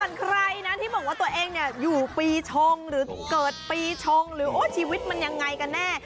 ส่วนใครนะที่บอกว่าตัวเองเนี่ยอยู่ปีชงหรือเกิดปีชงหรือชีวิตมันยังไงกันแน่